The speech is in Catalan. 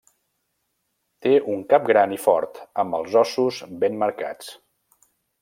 Té un cap gran i fort amb els ossos ben marcats.